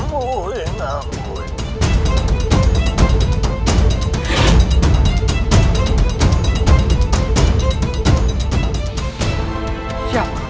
terima kasih gek sudah mengolong